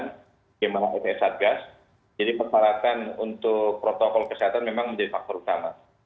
yang mengalami pesat gas jadi persyaratan untuk protokol kesehatan memang menjadi faktor utama